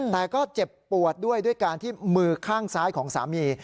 แต่ก็เจ็บปวดด้วยด้วยการที่มือข้างซ้ายของสามี